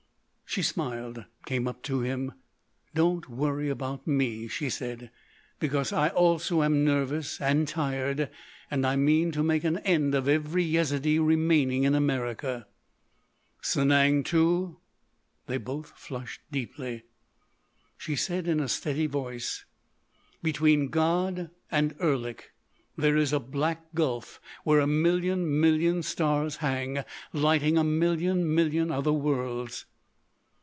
She smiled; came up to him. "Don't worry about me," she said. "Because I also am nervous and tired; and I mean to make an end of every Yezidee remaining in America." "Sanang, too?" They both flushed deeply. She said in a steady voice: "Between God and Erlik there is a black gulf where a million million stars hang, lighting a million million other worlds.